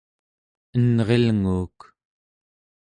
enrilnguuk